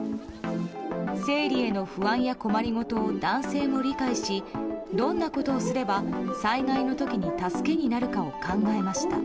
生理への不安や困り事を男性も理解しどんなことをすれば災害の時に助けになるかを考えました。